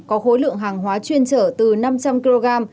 có khối lượng hàng hóa chuyên trở từ năm trăm linh kg